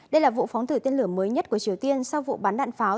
đây là vụ phóng thử tên lửa mới nhất của triều tiên sau vụ bắn đạn pháo